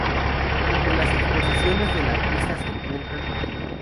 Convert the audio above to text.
Entre las exposiciones de la artista se encuentran